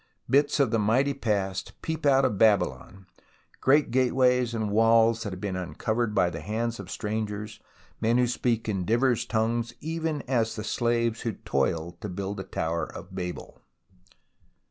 Bits of the mighty past peep out of Babylon, great gate ways and walls that have been uncovered by the hands of strangers, men who speak in divers tongues, even as the slaves who toiled to build the Tower of Babel.